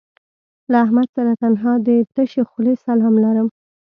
له احمد سره تنها د تشې خولې سلام لرم